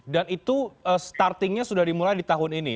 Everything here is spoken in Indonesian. dan itu startingnya sudah dimulai di tahun ini